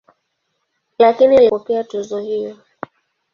Lakini alikataa kupokea tuzo hiyo.